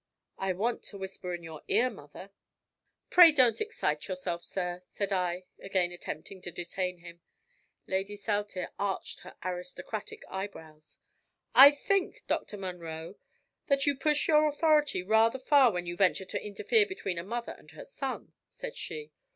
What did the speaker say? "I want to whisper in your ear, mother." "Pray don't excite yourself, sir," said I, again attempting to detain him. Lady Saltire arched her aristocratic eyebrows. "I think, Dr. Munro, that you push your authority rather far when you venture to interfere between a mother and her son," said she.